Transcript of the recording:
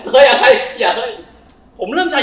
เฮ้ยเหย